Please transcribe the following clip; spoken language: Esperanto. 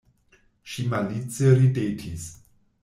Ŝi malice ridetis.